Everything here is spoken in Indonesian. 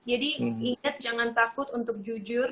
jadi ingat jangan takut untuk jujur